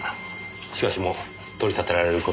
しかしもう取り立てられる事もありません。